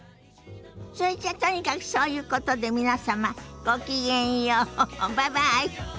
それじゃとにかくそういうことで皆様ごきげんようバイバイ。